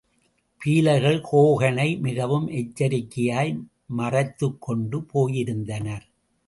பீலர்கள் ஹோகனை மிகவும் எச்சரிக்கையாய் மறைத்துக் கொண்டு போயிருந்தனர்.